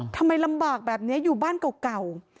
ทำไมลำบากแบบนี้อยู่บ้านเก่า